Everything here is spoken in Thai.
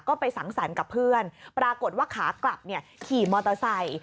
ก็ไปสังสรรค์กับเพื่อนปรากฏว่าขากลับขี่มอเตอร์ไซค์